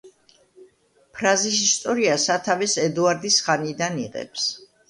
ფრაზის ისტორია სათავეს ედუარდის ხანიდან იღებს.